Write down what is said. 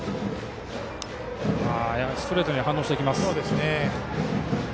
やはりストレートには反応してきます。